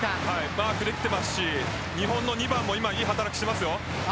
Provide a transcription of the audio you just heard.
マークできていますし日本の２番もいい働きしますよ。